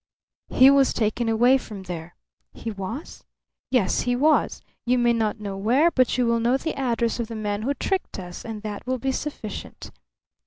"He was taken away from there." "He was?" "Yes, he was. You may not know where, but you will know the address of the man who tricked us; and that will be sufficient."